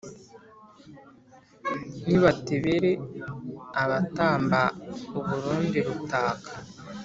nibatebere abatamba u burundi rutaka,